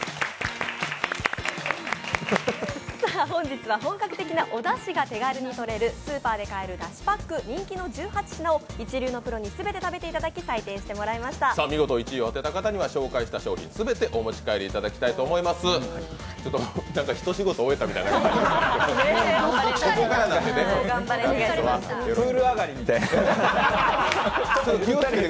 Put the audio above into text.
本日は本格的なおだしが手軽にとれるスーパーで買えるだしパック人気の１８品を一流のプロに全て食べていただき採点していただきました。